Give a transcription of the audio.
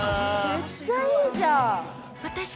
めっちゃいいじゃん。